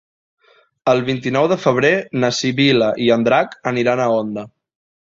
El vint-i-nou de febrer na Sibil·la i en Drac aniran a Onda.